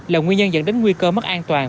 là nguyên nhân dẫn đến nguy cơ mất an toàn